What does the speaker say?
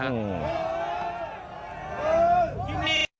ทริพี